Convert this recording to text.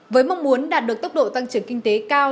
với mong muốn đạt được tốc độ tăng trưởng kinh tế cao